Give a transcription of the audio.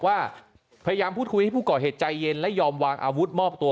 ว่าพยายามพูดคุยให้ผู้ก่อเหตุใจเย็นและยอมวางอาวุธมอบตัว